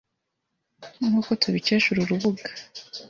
Nk’uko tubikesha uru rubuga